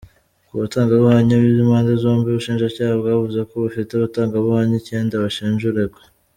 Ku batangabuhamya b’impande zombi, ubushinjacyaha bwavuze ko bufite abatangabuhamya icyenda bashinja uregwa.